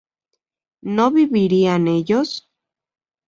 ¿no vivirían ellos?